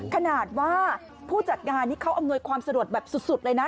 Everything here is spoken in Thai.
ขนาดว่าผู้จัดงานนี่เขาอำนวยความสะดวกแบบสุดเลยนะ